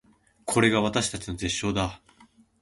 これが私たちの絶唱だー